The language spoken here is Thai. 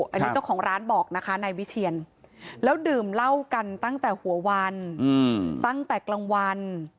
อันนี้เจ้าของร้านบอกนะคะนายวิเชียนแล้วดื่มเหล้ากันตั้งแต่หัววันตั้งแต่กลางวัน